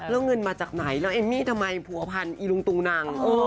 แล้วเงินมาจากไหนแล้วเอมมี่ทำไมผัวพันอีลุงตุงนัง